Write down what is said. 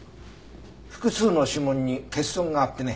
複数の指紋に欠損があってね